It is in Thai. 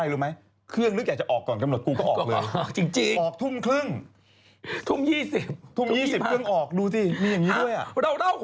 เยอะ